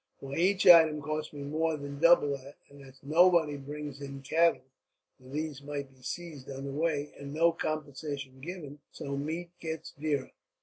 Why, each item costs me more than double that; and as nobody brings in cattle, for these might be seized on the way, and no compensation given, so meat gets dearer.